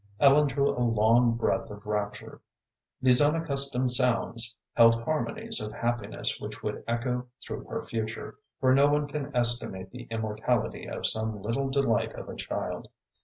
Ellen drew a long breath of rapture. These unaccustomed sounds held harmonies of happiness which would echo through her future, for no one can estimate the immortality of some little delight of a child.